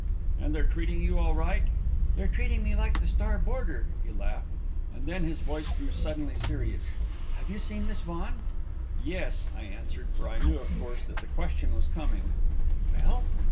"And they're treating you all right?" "They're treating me like the star boarder," he laughed. And then his voice grew suddenly serious. "Have you seen Miss Vaughan?" "Yes," I answered; for I knew of course that the question was coming. "Well?"